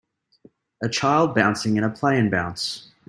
A child bouncing in a play and bounce.